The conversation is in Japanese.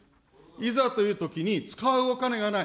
いざというときに使うお金がない。